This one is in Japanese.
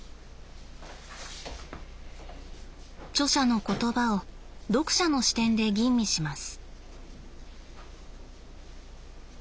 著者の言葉を読者の視点で吟味します。